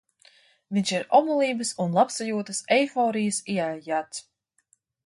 Viņš ir omulības un labsajūtas eiforijas ieaijāts.